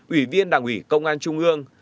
ủy viên đảng ủy công an trung ương